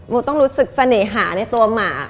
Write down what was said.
ต้องรู้สึกเสน่หาในตัวหมา